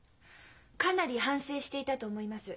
かなり反省していたと思います。